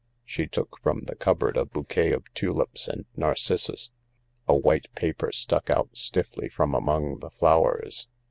She took from the cupboard a bouquet of tulips and narcissus ; a white paper stuck out stiffly £rpm amoijg the flowers.